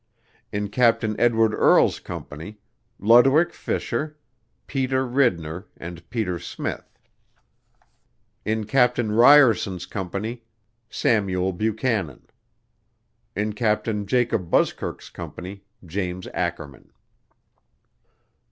In Captain Edward Earle's Company, Lodewick Fisher, Peter Ridnor and Peter Smith. In Captain Samuel Ryerson's Company, Samuel Buchanan. In Captain Jacob Buskirk's Company, James Ackerman.